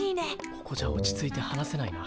ここじゃ落ち着いて話せないな。